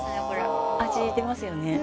これ味出ますよね